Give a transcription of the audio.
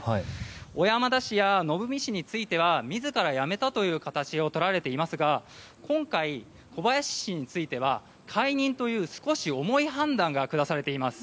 小山田氏やのぶみ氏については自ら辞めたという形をとられていますが今回、小林氏については解任という少し重い判断が下されています。